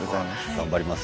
頑張ります